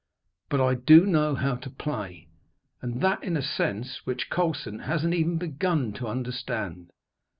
But I do know how to play, and that in a sense which Colson hasn't even begun to understand.